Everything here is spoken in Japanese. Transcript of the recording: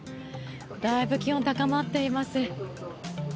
だいぶ気温が高まっています。